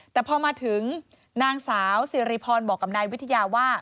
แต่พอมาถึงนางสาวสิริพรบอกกับนายวิทยาว่า